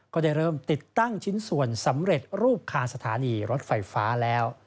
ก็ได้เริ่มติดตั้งชิ้นส่วนสำเร็จรูปคานสถานีรถไฟฟ้าแล้ว